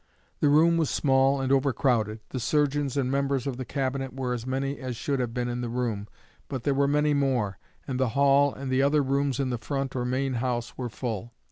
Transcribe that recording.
The room was small and overcrowded. The surgeons and members of the Cabinet were as many as should have been in the room, but there were many more, and the hall and other rooms in the front or main house were full.